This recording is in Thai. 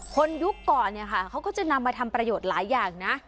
ยุคก่อนเนี่ยค่ะเขาก็จะนำมาทำประโยชน์หลายอย่างนะ